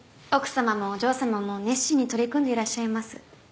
奥様もお嬢様も熱心に取り組んでいらっしゃいます。